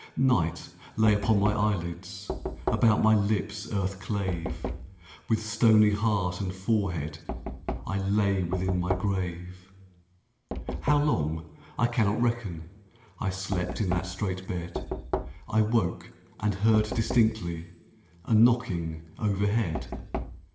Night lay upon my eyelids, About my lips earth clave; With stony heart and forehead I lay within my grave. How long I cannot reckon, I slept in that strait bed; I woke and heard distinctly A knocking overhead.